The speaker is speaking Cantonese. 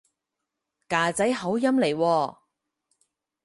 㗎仔口音嚟喎